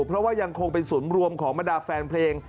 เพราะว่ายังคงเป็นศูนย์รวมของบรรดาแฟนเพลง